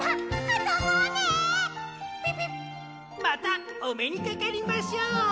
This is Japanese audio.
またおめにかかりましょう！